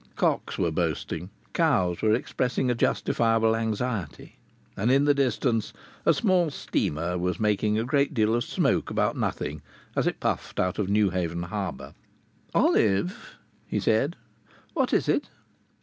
Cocks were boasting. Cows were expressing a justifiable anxiety. And in the distance a small steamer was making a great deal of smoke about nothing, as it puffed out of Newhaven harbour. "Olive," he said. "What is it?"